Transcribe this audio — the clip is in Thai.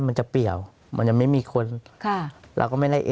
อาทิตย์หนึ่ง